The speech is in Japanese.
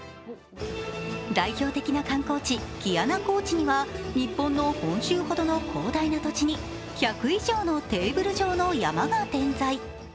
代表的な観光地、ギアナ高地には日本の本州ほどの広大な土地に１００以上のテーブル状の山が点在。